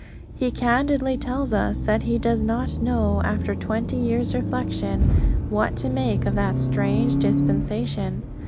He candidly tells us that he does not know, after twenty years' reflection, what to make of that strange dispensation.